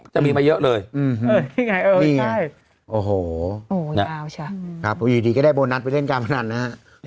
จะมีมาเยอะเลยนี่ไงโอ้โหอยู่ดีก็ได้โบนัสไปเล่นการพนันนะฮะ